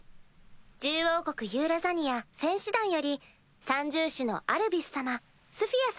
獣王国ユーラザニア戦士団より三獣士のアルビス様スフィア様